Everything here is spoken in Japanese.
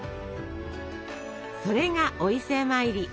それが「お伊勢参り」。